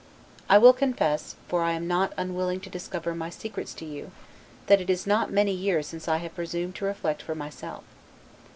I will confess (for I am not unwilling to discover my secrets to you) that it is not many years since I have presumed to reflect for myself.